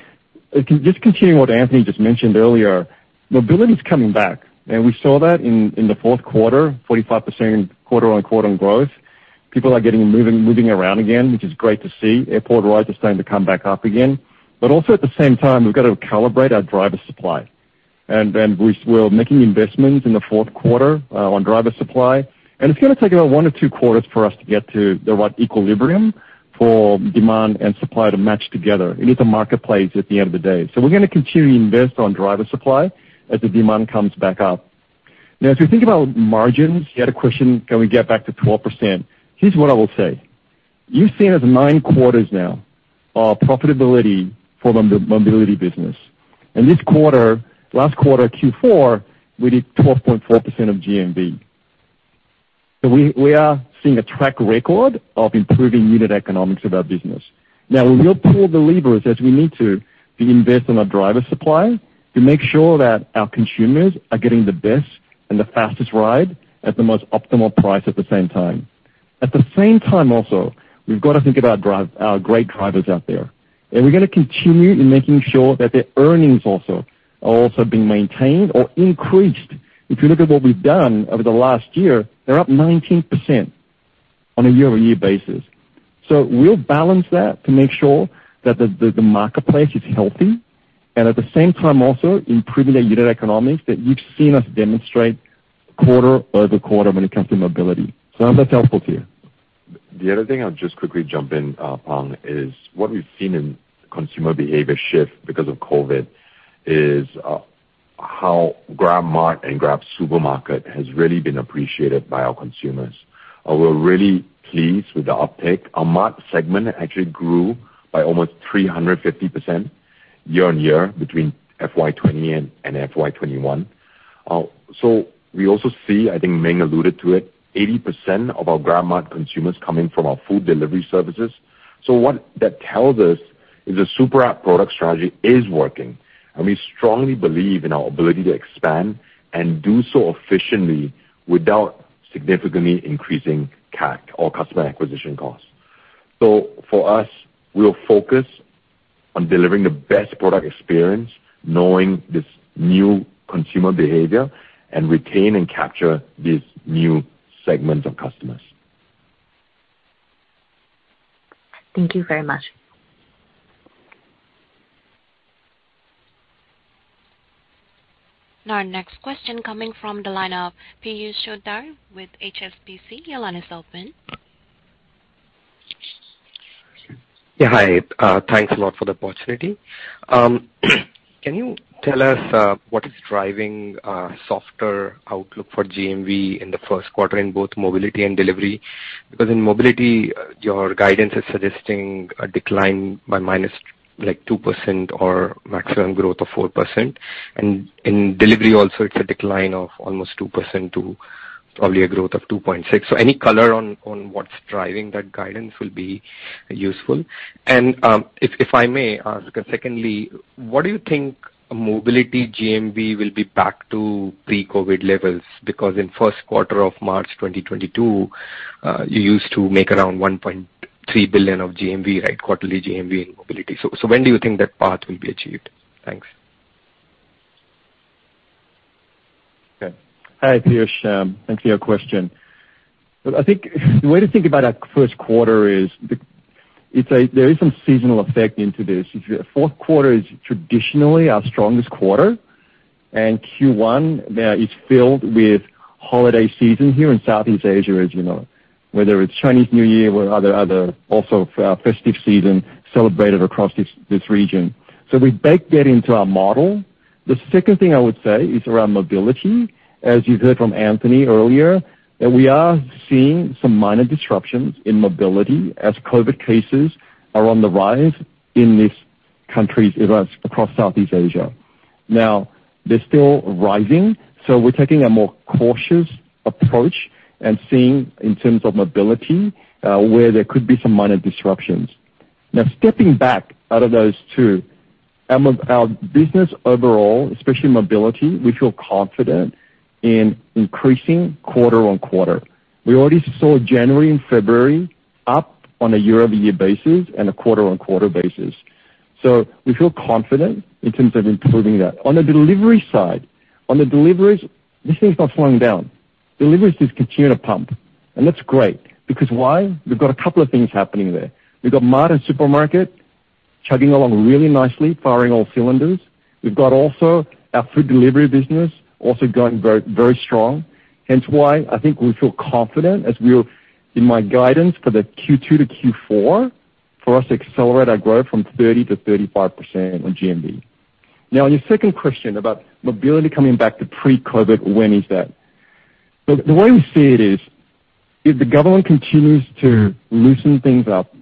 Just continuing what Anthony just mentioned earlier, mobility's coming back, and we saw that in the fourth quarter, 45% quarter-over-quarter growth. People are getting moving around again, which is great to see. Airport rides are starting to come back up again. Also at the same time, we've got to calibrate our driver supply. Then we're making investments in the fourth quarter on driver supply. It's gonna take about one or two quarters for us to get to the right equilibrium for demand and supply to match together. It is a marketplace at the end of the day. We're gonna continue to invest on driver supply as the demand comes back up. Now, if you think about margins, you had a question, can we get back to 12%? Here's what I will say. You've seen us nine quarters now of profitability for the mobility business. This quarter, last quarter, Q4, we did 12.4% of GMV. We are seeing a track record of improving unit economics of our business. Now, we'll pull the levers as we need to invest in our driver supply to make sure that our consumers are getting the best and the fastest ride at the most optimal price at the same time. At the same time also, we've got to think about our great drivers out there. We're gonna continue in making sure that their earnings also are being maintained or increased. If you look at what we've done over the last year, they're up 19% on a year-over-year basis. We'll balance that to make sure that the marketplace is healthy, and at the same time also improving the unit economics that you've seen us demonstrate quarter-over-quarter when it comes to mobility. I hope that's helpful to you. The other thing I'll just quickly jump in on is what we've seen in consumer behavior shift because of COVID is how GrabMart and GrabSupermarket has really been appreciated by our consumers. We're really pleased with the uptake. Our mart segment actually grew by almost 350% year-on-year between FY 2020 and FY 2021. We also see, I think Ming alluded to it, 80% of our GrabMart consumers coming from our food delivery services. What that tells us is the super app product strategy is working, and we strongly believe in our ability to expand and do so efficiently without significantly increasing CAC or customer acquisition costs. For us, we'll focus on delivering the best product experience, knowing this new consumer behavior, and retain and capture these new segments of customers. Thank you very much. Now our next question coming from the line of Piyush Choudhary with HSBC. Your line is open. Yeah. Hi. Thanks a lot for the opportunity. Can you tell us what is driving softer outlook for GMV in the first quarter in both mobility and delivery? Because in mobility, your guidance is suggesting a decline by minus, like, 2% or maximum growth of 4%. In delivery also, it's a decline of almost 2% to probably a growth of 2.6%. Any color on what's driving that guidance will be useful. If I may ask secondly, what do you think mobility GMV will be back to pre-COVID levels? Because in first quarter of March 2022, you used to make around $1.3 billion of GMV, right? Quarterly GMV in mobility. When do you think that path will be achieved? Thanks. Okay. Hi, Piyush. Thanks for your question. Look, I think the way to think about our first quarter is there is some seasonal effect into this. Fourth quarter is traditionally our strongest quarter, and Q1 now is filled with holiday season here in Southeast Asia, as you know. Whether it's Chinese New Year or other also festive season celebrated across this region. We bake that into our model. The second thing I would say is around mobility. As you heard from Anthony earlier, that we are seeing some minor disruptions in mobility as COVID cases are on the rise in these countries across Southeast Asia. Now, they're still rising, so we're taking a more cautious approach and seeing in terms of mobility where there could be some minor disruptions. Now, stepping back out of those two, our business overall, especially mobility, we feel confident in increasing quarter-on-quarter. We already saw January and February up on a year-over-year basis and a quarter-on-quarter basis. We feel confident in terms of improving that. On the delivery side, on the deliveries, this thing's not slowing down. Deliveries just continue to pump, and that's great because why? We've got a couple of things happening there. We've got GrabMart and GrabSupermarket chugging along really nicely, firing all cylinders. We've got also our food delivery business also going very, very strong. Hence why I think we feel confident as we indicated in our guidance for the Q2 to Q4 for us to accelerate our growth from 30%-35% on GMV. Now, on your second question about mobility coming back to pre-COVID, when is that? The way we see it is, if the government continues to loosen things up,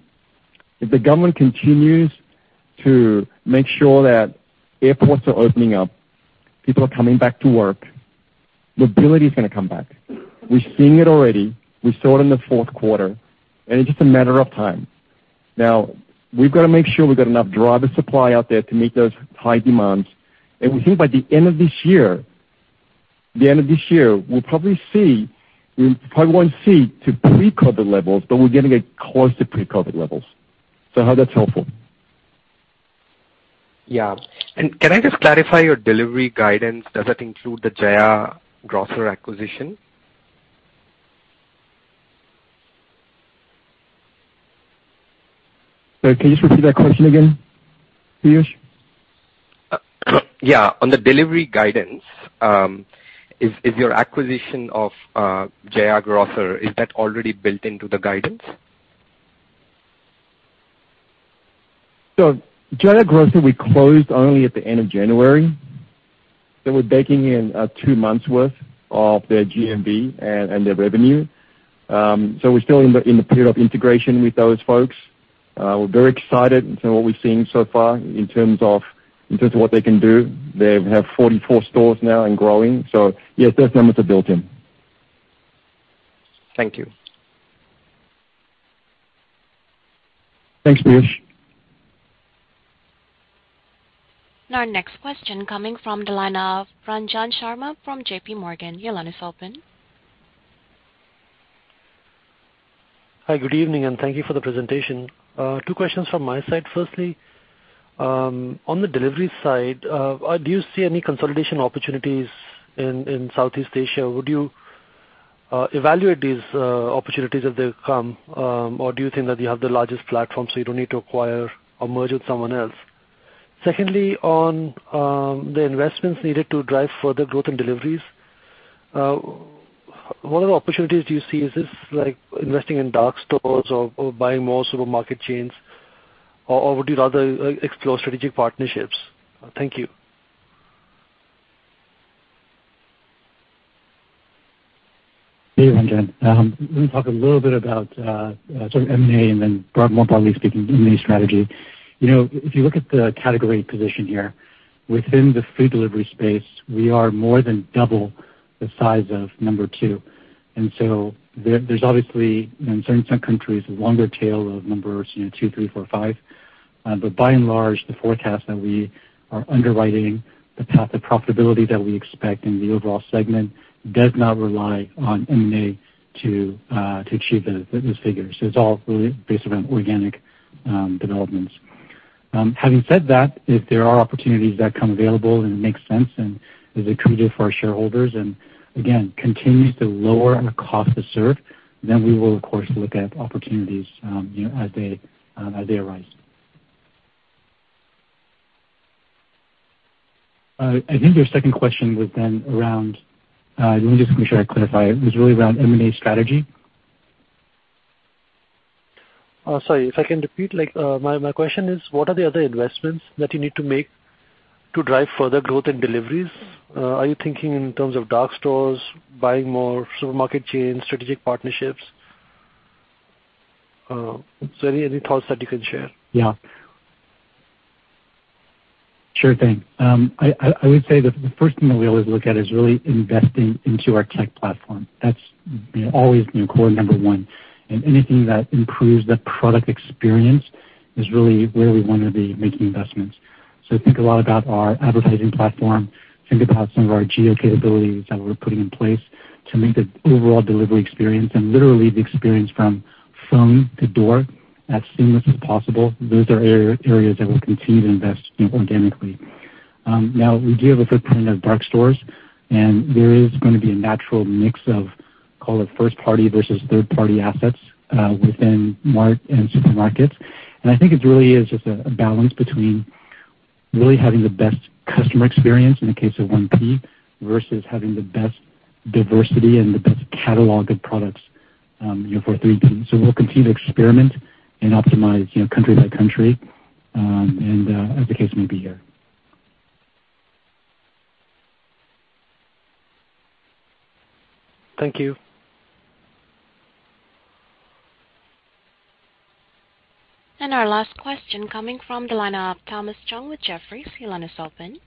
if the government continues to make sure that airports are opening up, people are coming back to work, mobility is gonna come back. We're seeing it already. We saw it in the fourth quarter, and it's just a matter of time. Now, we've got to make sure we've got enough driver supply out there to meet those high demands. We think by the end of this year, we'll probably see, we probably won't see to pre-COVID levels, but we're gonna get close to pre-COVID levels. I hope that's helpful. Yeah. Can I just clarify your delivery guidance? Does that include the Jaya Grocer acquisition? Sorry, can you just repeat that question again, Piyush? Yeah. On the delivery guidance, is your acquisition of Jaya Grocer, is that already built into the guidance? Jaya Grocer, we closed only at the end of January, so we're baking in two months worth of their GMV and their revenue. We're still in the period of integration with those folks. We're very excited in terms of what we've seen so far in terms of what they can do. They have 44 stores now and growing. Yes, those numbers are built in. Thank you. Thanks, Piyush. Now next question coming from the line of Ranjan Sharma from J.P. Morgan. Your line is open. Hi, good evening, and thank you for the presentation. Two questions from my side. Firstly, on the delivery side, do you see any consolidation opportunities in Southeast Asia? Would you evaluate these opportunities as they come, or do you think that you have the largest platform, so you don't need to acquire or merge with someone else? Secondly, on the investments needed to drive further growth in deliveries, what other opportunities do you see? Is this like investing in dark stores or buying more supermarket chains? Or would you rather explore strategic partnerships? Thank you. Hey, Ranjan. Let me talk a little bit about sort of M&A and then more broadly speaking, M&A strategy. You know, if you look at the category position here, within the food delivery space, we are more than double the size of number two. There, there's obviously, in certain countries, a longer tail of numbers, you know, two, three, four, five. But by and large, the forecast that we are underwriting, the path to profitability that we expect in the overall segment does not rely on M&A to achieve the figures. It's all really based around organic developments. Having said that, if there are opportunities that come available and make sense and is accretive for our shareholders, and again, continues to lower our cost to serve, then we will of course look at opportunities, you know, as they arise. I think your second question was then around, let me just make sure I clarify. It was really around M&A strategy. Sorry, if I can repeat. Like, my question is, what are the other investments that you need to make to drive further growth in deliveries? Are you thinking in terms of dark stores, buying more supermarket chains, strategic partnerships? Any thoughts that you can share? Yeah. Sure thing. I would say the first thing that we always look at is really investing into our tech platform. That's, you know, always, you know, core number one. Anything that improves the product experience is really where we wanna be making investments. Think a lot about our advertising platform. Think about some of our geo capabilities that we're putting in place to make the overall delivery experience and literally the experience from phone to door as seamless as possible. Those are areas that we'll continue to invest, you know, organically. Now we do have a footprint of dark stores, and there is gonna be a natural mix of, call it first party versus third party assets, within GrabMart and GrabSupermarket. I think it really is just a balance between really having the best customer experience in the case of 1P, versus having the best diversity and the best catalog of products, you know, for 3P. We'll continue to experiment and optimize, you know, country by country, and, as the case may be here. Thank you. Our last question coming from the line of Thomas Chong with Jefferies. Your line is open.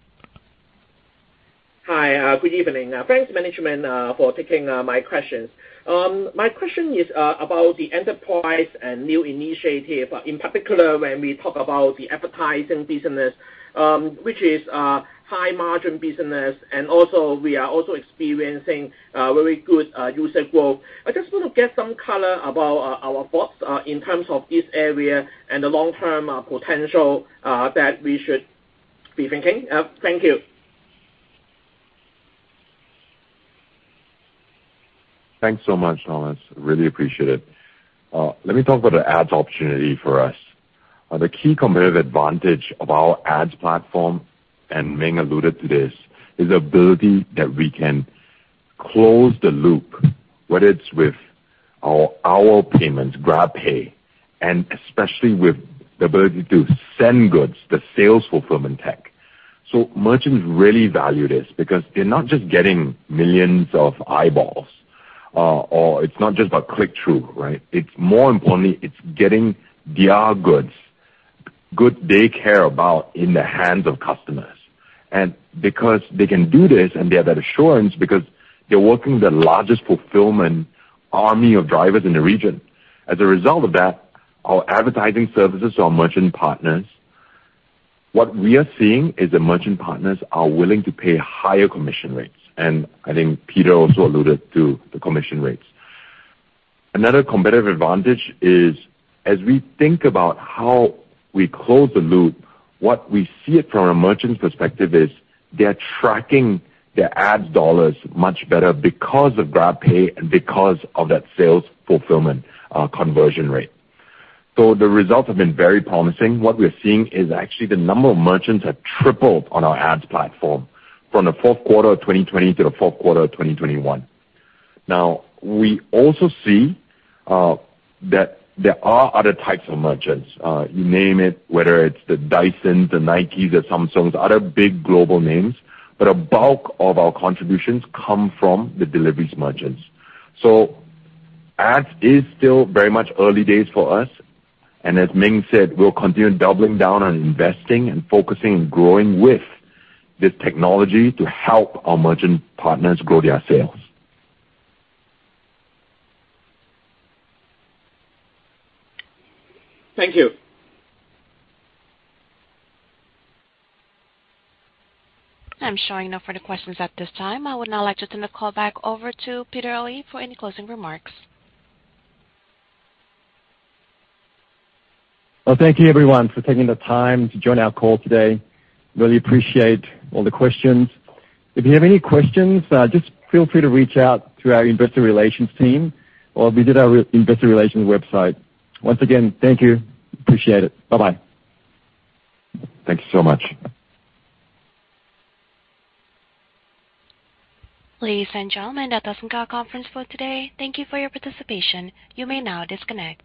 Hi, good evening. Thanks management for taking my questions. My question is about the enterprise and new initiative, in particular when we talk about the advertising business, which is high margin business, and also we are also experiencing very good user growth. I just wanna get some color about our thoughts in terms of this area and the long-term potential that we should be thinking of. Thank you. Thanks so much, Thomas. Really appreciate it. Let me talk about the ads opportunity for us. The key competitive advantage of our ads platform, and Ming alluded to this, is the ability that we can close the loop, whether it's with our payments, GrabPay, and especially with the ability to send goods, the sales fulfillment tech. Merchants really value this because they're not just getting millions of eyeballs, or it's not just about click-through, right? It's more importantly, it's getting their goods, good they care about in the hands of customers. Because they can do this and they have that assurance because they're working the largest fulfillment army of drivers in the region. As a result of that, our advertising services to our merchant partners, what we are seeing is the merchant partners are willing to pay higher commission rates. I think Peter also alluded to the commission rates. Another competitive advantage is as we think about how we close the loop, what we see it from a merchant perspective is they're tracking their ads dollars much better because of GrabPay and because of that sales fulfillment, conversion rate. The results have been very promising. What we're seeing is actually the number of merchants have tripled on our ads platform from the fourth quarter of 2020 to the fourth quarter of 2021. Now, we also see that there are other types of merchants. You name it, whether it's the Dyson, the Nike, the Samsung, other big global names, but a bulk of our contributions come from the deliveries merchants. Ads is still very much early days for us, and as Ming said, we'll continue doubling down on investing and focusing and growing with this technology to help our merchant partners grow their sales. Thank you. I'm showing no further questions at this time. I would now like to turn the call back over to Peter Oey for any closing remarks. Well, thank you everyone for taking the time to join our call today. Really appreciate all the questions. If you have any questions, just feel free to reach out to our investor relations team or visit our investor relations website. Once again, thank you. Appreciate it. Bye-bye. Thanks so much. Ladies and gentlemen, that does end our conference call today. Thank you for your participation. You may now disconnect.